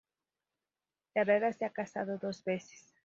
Herrera se ha casado dos veces.